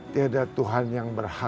tidak tuhan yang berhati hati